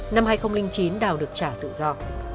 năm hai nghìn chín đào được trả tự do